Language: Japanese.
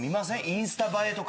インスタ映えとか。